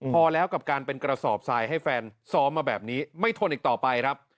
พอแล้วกับการเป็นกระสอบทรายให้แฟนซ้อมมาแบบนี้ไม่ทนอีกต่อไปครับ